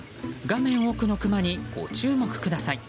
画面奥のクマにご注目ください。